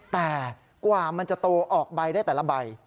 แต่กว่ามันจะโตออกใบได้แต่ละใบ